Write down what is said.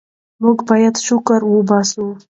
موږ باید شکر وباسو.